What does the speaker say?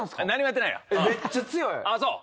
ああそう。